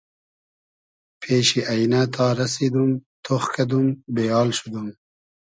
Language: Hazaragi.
پېشی اݷنۂ تا رئسیدوم ، تۉخ کیدۂ بې آل شودوم